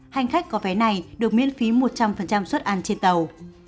hành khách có vé này được miễn phí một trăm linh suất ăn trên tàu